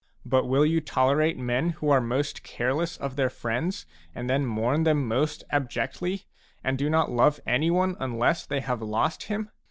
But will you tolerate men who are most careless of their friends, and then mourn them most abjectly, and do not love anyone unless they have lost him